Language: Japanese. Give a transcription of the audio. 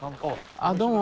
あっどうも。